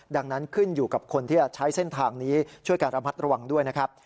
ดังนั้นขึ้นอยู่กับคนที่จะใช้เส้นทางนี้ช่วยการระมัดระวังด้วยนะครับ